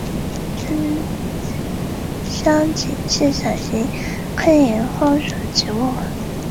在湖州中心城市规划区中属于市北分区和湖东分区。